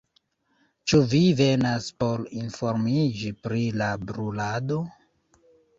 Ĉu vi venas por informiĝi pri la brulado?